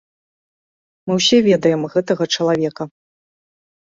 Мы ўсе ведаем гэтага чалавека.